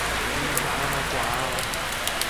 Oñeha'ãrõkuaáva.